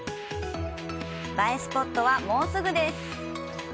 映えスポットは、もうすぐです！